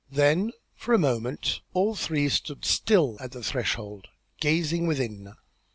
Then, for a moment, all three stood still at the threshold, gazing within.